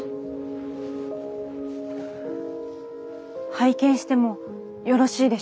拝見してもよろしいでしょうか？